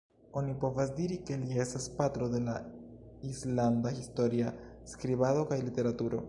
Oni povas diri ke li estas patro de la islanda historia skribado kaj literaturo.